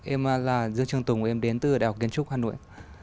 em là dương trường tùng em đến từ đại học kiến trúc hà nội